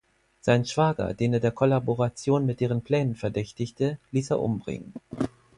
Seinen Schwager, den er der Kollaboration mit deren Plänen verdächtigte, ließ er umbringen.